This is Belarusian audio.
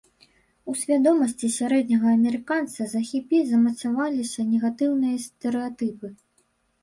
У свядомасці сярэдняга амерыканца за хіпі замацаваліся негатыўныя стэрэатыпы.